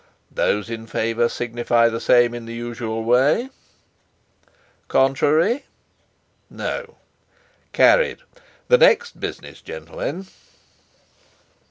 Those in favour signify the same in the usual way. Contrary—no. Carried. The next business, gentlemen...."